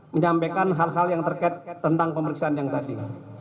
menyampaikan hal hal yang terkait tentang pemeriksaan yang tadi